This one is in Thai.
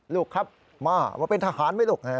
ลูกครับมาเป็นทหารไหมลูก